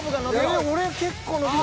ええ俺結構伸びる。